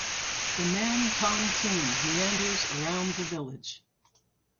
The Nam Ton Tun meanders around the village.